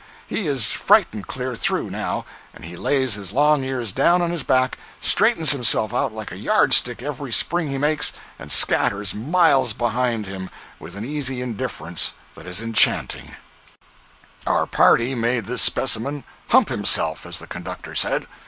He is frightened clear through, now, and he lays his long ears down on his back, straightens himself out like a yard stick every spring he makes, and scatters miles behind him with an easy indifference that is enchanting. 033a.jpg (35K) Our party made this specimen "hump himself," as the conductor said.